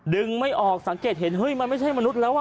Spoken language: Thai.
ดึงไม่ออกสังเกตเห็นเฮ้ยมันไม่ใช่มนุษย์แล้วอ่ะ